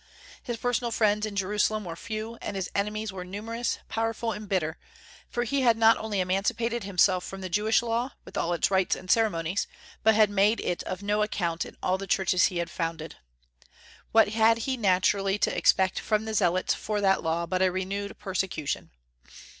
His personal friends in Jerusalem were few, and his enemies were numerous, powerful, and bitter; for he had not only emancipated himself from the Jewish Law, with all its rites and ceremonies, but had made it of no account in all the churches he had founded. What had he naturally to expect from the zealots for that Law but a renewed persecution?